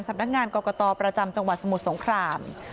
สำนักงานกรกตประจำจังหวัดสมุทรสงคราม